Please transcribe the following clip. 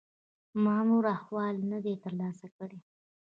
ما نور احوال نه دی ترلاسه کړی.